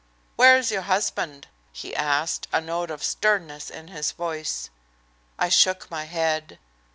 "Where is your husband?" he asked, a note of sternness in his voice. I shook my head.